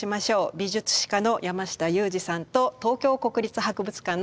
美術史家の山下裕二さんと東京国立博物館の高橋真作さんです。